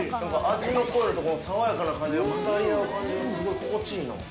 ◆味の濃いのと、爽やかな感じが混ざりあう感じがすごい心地いいな。